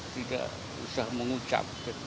tidak usah mengucapkan